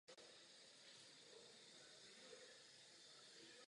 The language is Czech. Vážný problém může způsobit choroba na plantážích vánočních stromků.